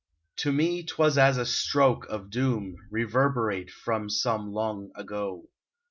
To me 't was as a stroke of doom, Reverberate from some long ago.